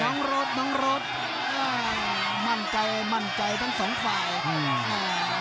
น้องรถน้องรถมั่นใจมั่นใจทั้งสองฝ่าย